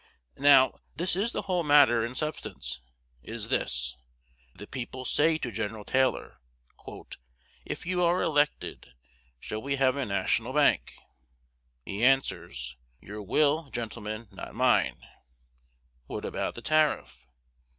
Now, this is the whole matter: in substance, it is this: The people say to Gen. Taylor, "If you are elected, shall we have a national bank?" He answers, "Your will, gentlemen, not mine" "What about the tariff?"